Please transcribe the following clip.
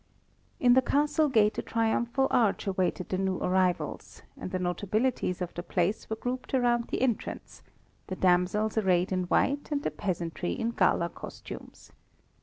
In the castle gate a triumphal arch awaited the new arrivals, and the notabilities of the place were grouped around the entrance, the damsels arrayed in white and the peasantry in gala costumes.